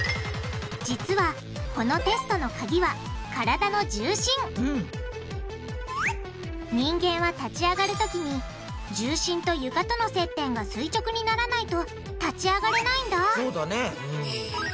実はこのテストのカギは人間は立ち上がるときに重心と床との接点が垂直にならないと立ち上がれないんだそうだね。